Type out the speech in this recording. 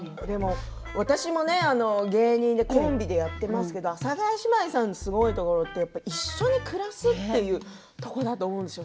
私も芸人でコンビでやっていますけれど阿佐ヶ谷姉妹さんのすごいところって一緒に暮らすっていうところだと思うんですよ。